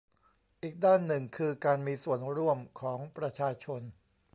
อีกด้านหนึ่งคือการมีส่วนร่วมของประชาชน